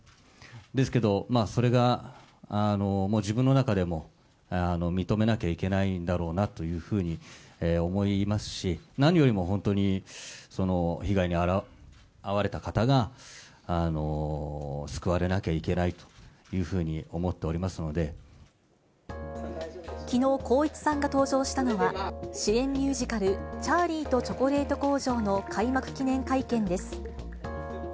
ですけど、それがもう自分の中でも認めなきゃいけないんだろうなっていうふうに思いますし、何よりも本当に、被害に遭われた方が救われなきゃいけないというふうに思っておりきのう、光一さんが登場したのは、主演ミュージカル、チャーリーとチョコレート工場の開幕記念会見です。